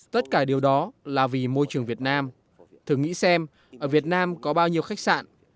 tất cả điều đó là vì môi trường việt nam thử nghĩ xem ở việt nam có bao nhiêu khách sạn